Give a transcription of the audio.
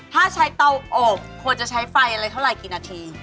ถ้าใช้เตาอบควรจะใช้ไฟอะไรเท่าไหร่กี่นาที